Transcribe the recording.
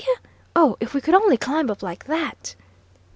Oh, if we could only climb up like that!"